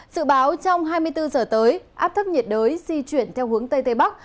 sự báo trong hai mươi bốn giờ tới áp thấp nhiệt đới di chuyển theo hướng tây tây bắc